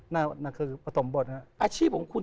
นั่นคือปฐมบทนะครับอาชีพของคุณ